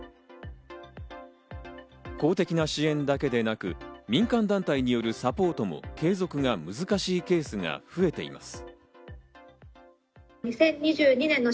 公的な支援だけでなく、民間団体によるサポートも継続が難しいケースが増えています。